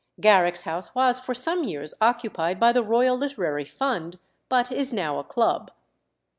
Garrick's house was for some years occupied by the Royal Literary Fund, but is now a Club.